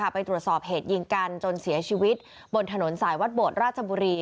ไปตรวจสอบเหตุยิงกันจนเสียชีวิตบนถนนสายวัดโบดราชบุรี